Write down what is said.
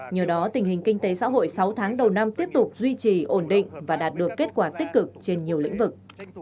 nhờ đó tình hình kinh tế xã hội sáu tháng đầu năm tiếp tục duy trì ổn định và đạt được kết quả tích cực trên nhiều lĩnh vực